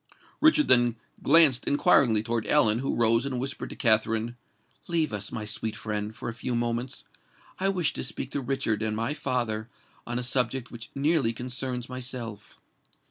Richard then glanced inquiringly towards Ellen, who rose and whispered to Katherine, "Leave us, my sweet friend, for a few moments: I wish to speak to Richard and my father on a subject which nearly concerns myself."